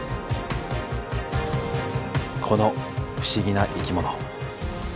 この不思議な生き物。